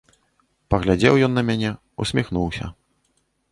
Паглядзеў ён на мяне, усміхнуўся.